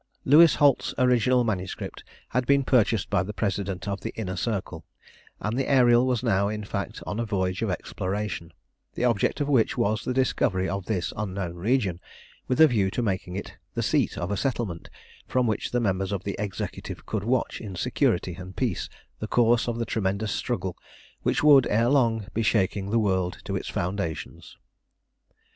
Louis Holt's original MS. had been purchased by the President of the Inner Circle, and the Ariel was now, in fact, on a voyage of exploration, the object of which was the discovery of this unknown region, with a view to making it the seat of a settlement from which the members of the Executive could watch in security and peace the course of the tremendous struggle which would, ere long, be shaking the world to its foundations.